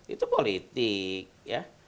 itu politik ya